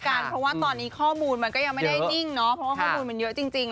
เพราะว่าตอนนี้ข้อมูลมันก็ยังไม่ได้นิ่งเนาะเพราะว่าข้อมูลมันเยอะจริง